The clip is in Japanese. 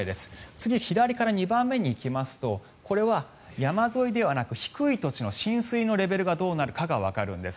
次、左から２番目に行きますとこれは山沿いではなく低い土地の浸水のレベルがどうなるかがわかるんです。